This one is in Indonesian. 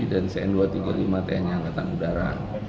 dan c dua ratus sembilan puluh lima milik tni angkatan udara